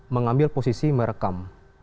mengambil posisi merekam